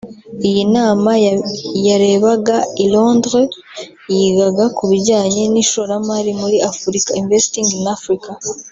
Iyi nama yarebaga i Londres yigaga ku bijyanye n’ishoramari muri Afurika “Investing in Africa”